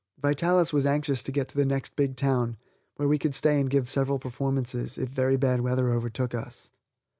Vitalis was anxious to get to the next big town, where we could stay and give several performances, if very bad weather overtook us.